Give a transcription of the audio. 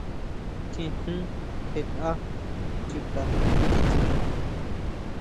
Tjen jun, tjen tʼa chuta titsuma.